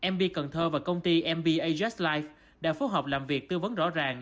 mb cần thơ và công ty mb ajust life đã phối hợp làm việc tư vấn rõ ràng